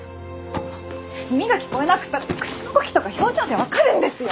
耳が聞こえなくったって口の動きとか表情で分かるんですよ！